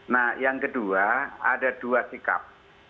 nah yang kedua ada dua sikap